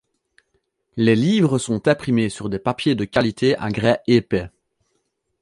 Les livres sont imprimés sur des papiers de qualité à grain épais.